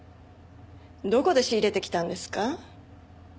どこで仕入れてきたんですか？